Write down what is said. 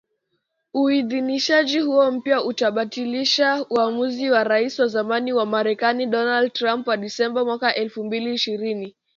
Uidhinishaji huo mpya unabatilisha uamuzi wa Rais wa zamani wa Marekani Donald Trump wa Disemba mwaka elfu mbili ishirini